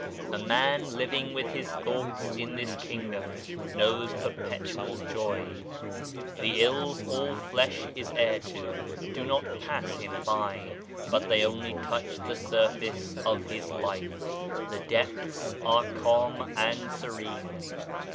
A man living with his thoughts in this Kingdom knows perpetual joy. The ills all flesh is heir to do not pass him by, but they only touch the surface of his life, the depths are calm and serene.